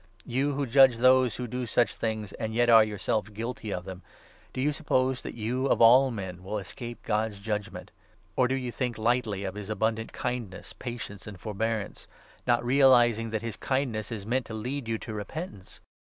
You who judge those that do such things and yet are your 3 self guilty of them — do you suppose that you of all men will escape God's judgement? Or do you think lightly of his 4 abundant kindness, patience, and forbearance, not realizing that his kindness is meant to lead you to repentance